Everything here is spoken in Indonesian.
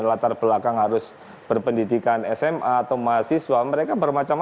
atau yang menganyakan peran